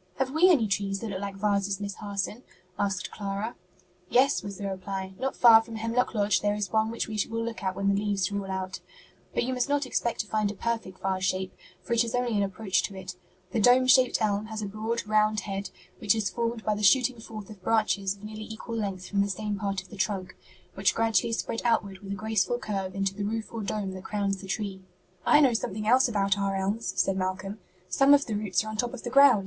'" "Have we any trees that look like vases, Miss Harson?" asked Clara. "Yes," was the reply; "not far from Hemlock Lodge there is one which we will look at when the leaves are all out. But you must not expect to find a perfect vase shape, for it is only an approach to it. The dome shaped elm has a broad, round head, which is formed by the shooting forth of branches of nearly equal length from the same part of the trunk, which gradually spread outward with a graceful curve into the roof or dome that crowns the tree." "I know something else about our elms," said Malcolm: "some of the roots are on top of the ground.